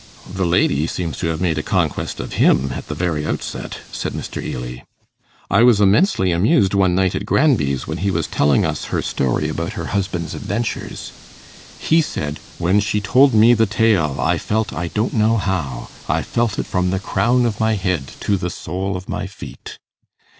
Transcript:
'The lady seemed to have made a conquest of him at the very outset,' said Mr. Ely. 'I was immensely amused one night at Granby's when he was telling us her story about her husband's adventures. He said, "When she told me the tale, I felt I don't know how, I felt it from the crown of my head to the sole of my feet."